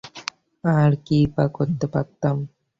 আর, কিইবা করতে পারতাম?